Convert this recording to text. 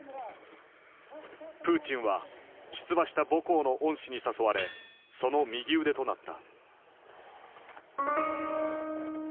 プーチンは出馬した母校の恩師に誘われその右腕となった。